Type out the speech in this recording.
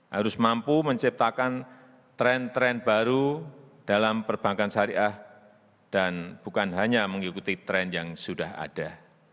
harus mampu menciptakan tren tren baru dalam perbankan syariah dan bukan hanya mengikuti tren yang sudah ada